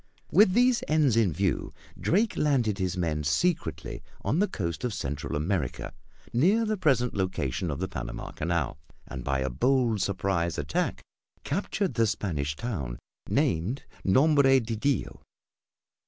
With these ends in view, Drake landed his men secretly on the coast of Central America near the present location of the Panama Canal; and by a bold surprise attack captured the Spanish town named Nombre de Dios.